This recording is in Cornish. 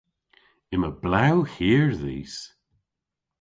Yma blew hir dhis.